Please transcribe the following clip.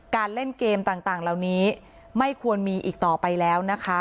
เล่นเกมต่างเหล่านี้ไม่ควรมีอีกต่อไปแล้วนะคะ